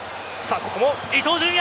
ここも伊東純也！